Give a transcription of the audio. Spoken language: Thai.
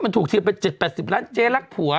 มันถูกที่เป็น๗๐๘๐ล้านเจ๊รักผัว